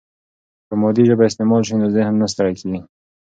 که مادي ژبه استعمال شي، نو ذهن نه ستړی کیږي.